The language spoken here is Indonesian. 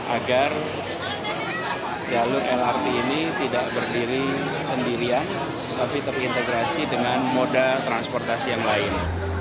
agar jalur lrt ini tidak berdiri sendirian tapi terintegrasi dengan moda transportasi yang lain